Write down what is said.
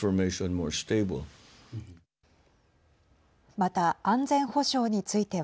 また安全保障については。